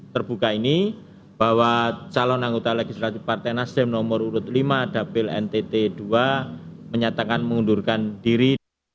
terbuka ini bahwa calon anggota legislasi partai nasdem nomor urut lima dapil ntt ii menyatakan mengundurkan diri